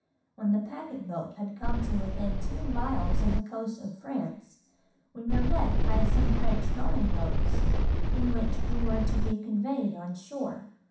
When the packet boat had come to within two miles of the coast of France, we were met by some French rowing boats in which we were to be conveyed on shore.